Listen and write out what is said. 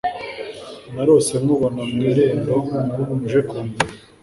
narose nkubona mu irembo uje kundeba